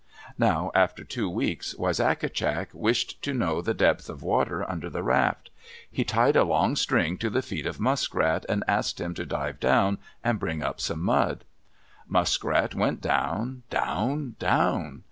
Now after two weeks, Wisagatcak wished to know the depth of water under the raft. He tied a long string to the feet of Muskrat and asked him to dive down and bring up some mud. Muskrat went down, down, down!